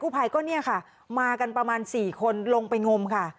กู้ไพร่ก็นี่ค่ะมากันประมาณ๔คนลงไปงมค่ะ